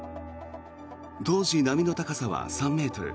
当時、波の高さは３ｍ。